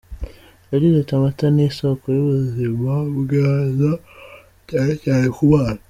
Yagize ati “Amata ni isoko y’ubuzima bwiza cyane cyane ku bana.